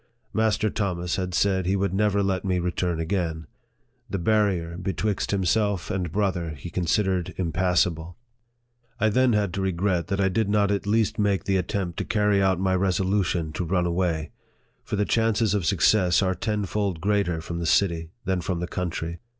Master Thomas had said he would never let me return again. The barrier betwixt himself and brother he considered impassable. I then had to regret that I did not at least make the attempt to carry out my resolution to run away ; for the chances of success are tenfold greater from the city than from the country.